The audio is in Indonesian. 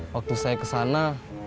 waktu saya kesana